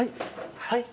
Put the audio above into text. はい。